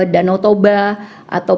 danau toba atau